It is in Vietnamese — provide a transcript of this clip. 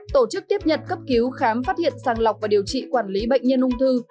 tổ chức tiếp nhận cấp cứu khám phát hiện sàng lọc và điều trị quản lý bệnh nhân ung thư